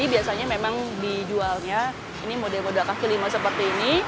makanan ini juga bisa diberi ke lima model seperti ini